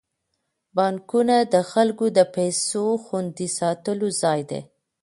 بانکونه د خلکو د پيسو خوندي ساتلو ځای دی.